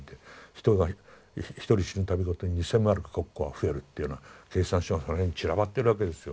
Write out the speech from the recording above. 人が一人死ぬ度ごとに１，０００マルク国庫は増えるっていうような計算書がその辺に散らばってるわけですよ。